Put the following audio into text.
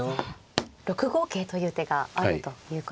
６五桂という手があるということですね。